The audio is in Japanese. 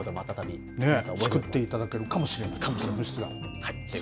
救っていただけるかもしれなかもしれない。